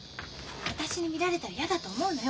私に見られたら嫌だと思うのよ。